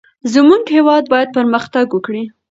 زمونږ هیواد باید پرمختګ وکړي.